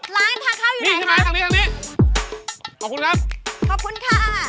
ล้านทางเข้าอยู่ไหนครับนี่ใช่ไหมทางนี้ทางนี้